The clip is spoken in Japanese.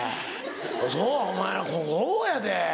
そうお前らこうやで。